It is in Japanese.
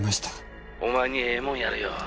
「お前にええもんやるよ」